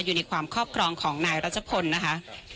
อยู่ในความครอบครองของนายรัชพลนะคะ